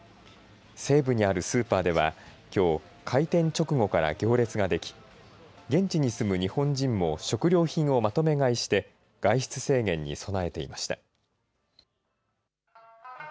西部にあるスーパーではきょう、開店直後から行列ができ現地に住む日本人も食料品をまとめ買いして外出制限に備えていました。